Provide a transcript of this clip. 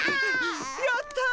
やった！